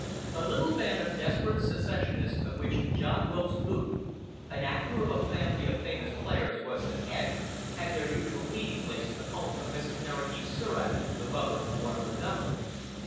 A little band of desperate secessionists, of which John Wilkes Booth, an actor of a family of famous players, was the head, had their usual meeting place at the house of Mrs. Mary E. Surratt, the mother of one of the number.